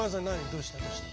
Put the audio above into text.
どうしたどうした？